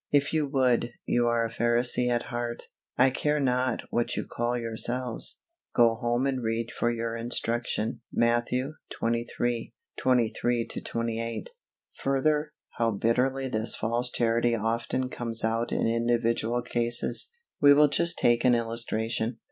If you would, you are a Pharisee at heart I care not what you call yourselves. Go home and read for your instruction Matt, xxiii. 23 28. Further, how bitterly this false Charity often comes out in individual cases. We will just take an illustration.